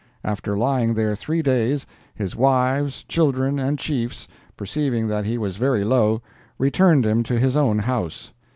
After lying there three days, his wives, children and chiefs, perceiving that he was very low, returned him to his own house.